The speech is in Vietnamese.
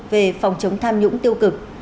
về phòng chống tham nhũng tiêu cực